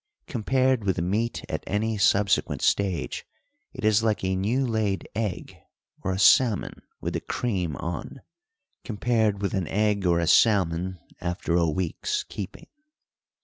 Compared with meat at any subsequent stage, it is like a new laid egg or a salmon with the cream on, compared with an egg or a salmon after a week's keeping.